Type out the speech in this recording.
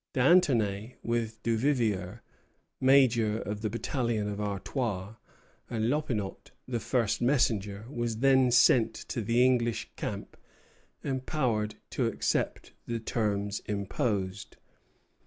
D'Anthonay, with Duvivier, major of the battalion of Artois, and Loppinot, the first messenger, was then sent to the English camp, empowered to accept the terms imposed.